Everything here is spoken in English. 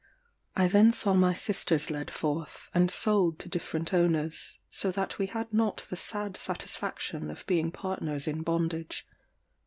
] I then saw my sisters led forth, and sold to different owners; so that we had not the sad satisfaction of being partners in bondage.